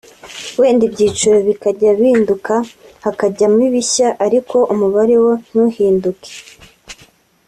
wenda ibyiciro bikajya binduka hakajyamo ibishya ariko umubare wo ntuhinduke